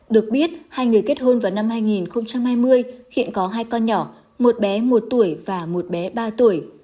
được biết hai người kết hôn vào năm hai nghìn hai mươi hiện có hai con nhỏ một bé một tuổi và một bé ba tuổi